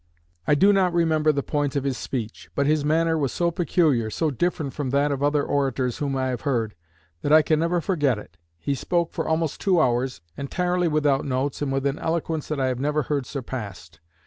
I do not remember the points of his speech; but his manner was so peculiar, so different from that of other orators whom I have heard, that I can never forget it. He spoke for almost two hours, entirely without notes and with an eloquence that I have never heard surpassed.